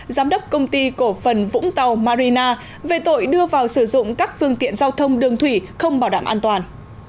giám đốc công ty cổ phần vũng tàu marina về tội đưa vào sử dụng các phương tiện giao thông đường thủy không bảo đảm an toàn